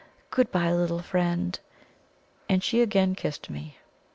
Good bye, little friend!" And she again kissed me.